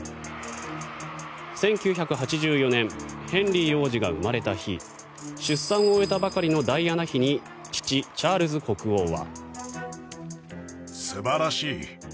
１９８４年ヘンリー王子が生まれた日出産を終えたばかりのダイアナ妃に父・チャールズ国王は。